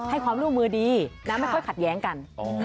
ให้ความร่วมมือดีนะไม่ค่อยขัดแย้งกัน